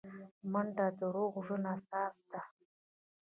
منډه د روغ ژوند اساس ده